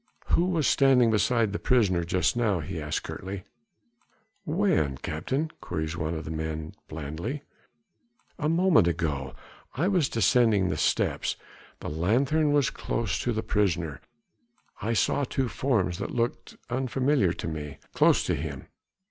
"Who was standing beside the prisoner just now?" he asks curtly. "When, captain?" queries one of the men blandly. "A moment ago. I was descending the steps. The lanthorn was close to the prisoner; I saw two forms that looked unfamiliar to me close to him."